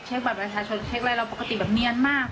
เช็คบัตรบริษัทชดเช็คอะไรเราปกติแบบเนียนมาก